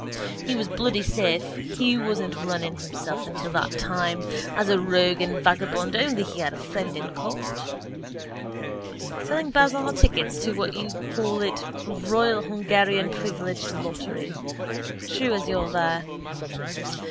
He was bloody safe he wasn't run in himself under the act that time as a rogue and vagabond only he had a friend in court. Selling bazaar tickets or what do you call it royal Hungarian privileged lottery. True as you're there.